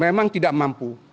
memang tidak mampu